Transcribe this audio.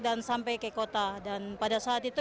dan sampai ke kota dan pada saat itu